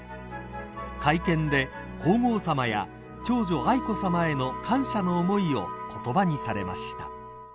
［会見で皇后さまや長女愛子さまへの感謝の思いを言葉にされました］